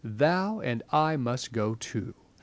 Thou and I must go too.